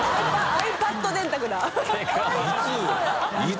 ｉＰａｄ 電卓だ